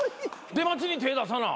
出待ちに手出さな。